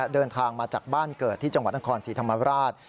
เดินทางมาจากบ้านเกิดที่จังหวัดนครศรีธรรมราช